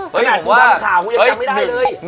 ขนาดกูทำข่าวกูยังจำไม่ได้เลย